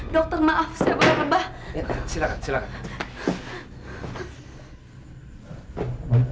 dokter maaf saya boleh rebah silakan silakan